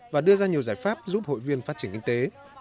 và đưa ra nhiều giải pháp giúp hội viên phát triển kinh tế